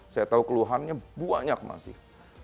saya tahu keluhannya banyak masih